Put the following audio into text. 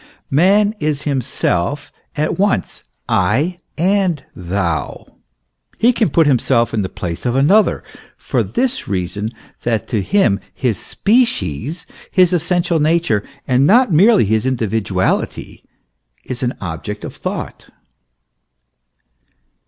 Man is himself at once I and thou ; he can put himself in the place of another, for this reason, that to him his species, his essential nature, and not merely his individuality, is an object of thought.